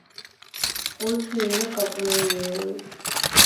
Ус ҩнык аҟны инеиуеит.